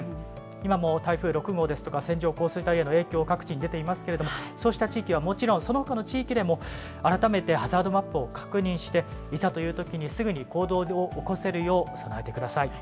今も台風６号ですとか、線状降水帯への影響、各地に出ていますけれども、そうした地域はもちろん、そのほかの地域でも、改めてハザードマップを確認して、いざというときにすぐに行動を起こせるよう備えてください。